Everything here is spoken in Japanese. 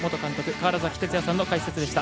川原崎哲也さんの解説でした。